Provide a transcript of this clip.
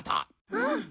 うん。